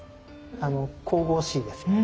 神々しいですよね。